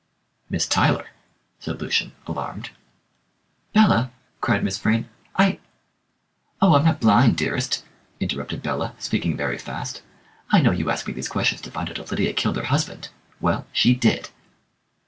"Miss Tyler!" said Lucian, alarmed. "Bella!" cried Miss Vrain. "I " "Oh, I'm not blind, dearest," interrupted Bella, speaking very fast. "I know you ask me these questions to find out if Lydia killed her husband. Well, she did!"